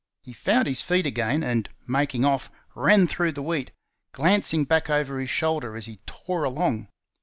He found his feet again, and, making off, ran through the wheat, glancing back over his shoulder as he tore along.